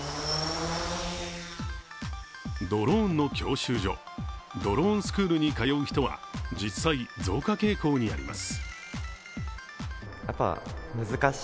ドローンの教習所ドローンスクールに通う人は実際、増加傾向にあります。